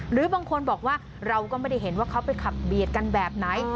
หรือบางคนบอกว่าเราก็ไม่ได้เห็นว่าเขาไปขับเบียดกันแบบไหน